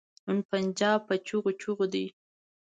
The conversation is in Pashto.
نن پنجاب په چيغو چيغو دی.